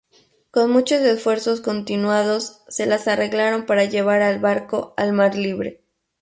Con muchos esfuerzos continuados, se las arreglaron para llevar al barco al mar libre.